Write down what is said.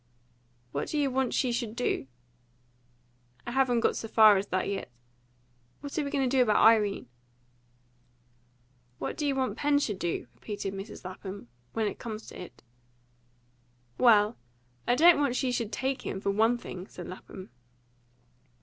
"What do you want she should do?" "I haven't got so far as that yet. What are we going to do about Irene?" "What do you want Pen should do," repeated Mrs. Lapham, "when it comes to it?" "Well, I don't want she should take him, for ONE thing," said Lapham.